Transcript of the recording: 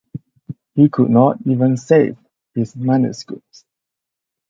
He could not even save his manuscripts.